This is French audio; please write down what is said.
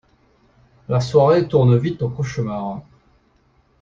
La soirée tourne vite au cauchemar.